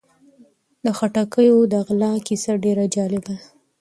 د خټکیو د غله کیسه ډېره جالبه ده.